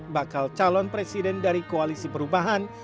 bakal calon presiden dari koalisi perubahan